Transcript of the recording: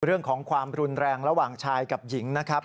เรื่องของความรุนแรงระหว่างชายกับหญิงนะครับ